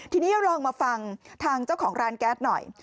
ทีนี้ลองมาฟังทางเจ้าของร้านแก๊สหน่อย